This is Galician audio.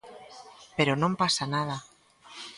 Pero non pasa nada.